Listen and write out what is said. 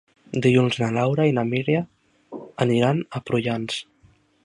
Dilluns na Laura i na Mira aniran a Prullans.